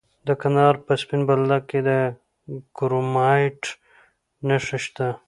د کندهار په سپین بولدک کې د کرومایټ نښې شته.